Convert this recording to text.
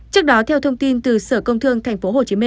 trước đó theo thông tin từ sở công thương tp hcm